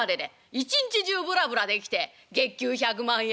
一日中ぶらぶらできて月給１００万円？